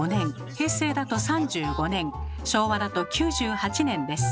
平成だと３５年昭和だと９８年です。